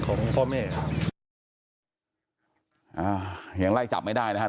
ครับ